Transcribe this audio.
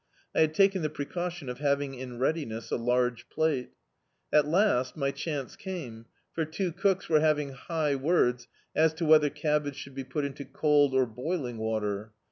I had taken the precaution of having in readiness a large platfc. At last my chance came, for two cooks were having high words as to whether cabbage should be put into cold or boiling water.